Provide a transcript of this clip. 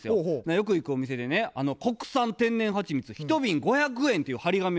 よく行くお店でね「国産天然はちみつ１瓶５００円」っていう貼り紙が貼ってあってね。